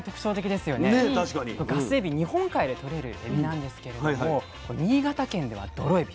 このガスエビ日本海でとれるエビなんですけれども新潟県ではドロエビ